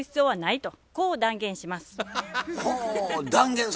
はい。